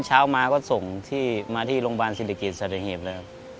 เช้ามาก็ส่งมาที่โรงพยาบาลศิลปิกฤติสริเหพฯแล้วครับ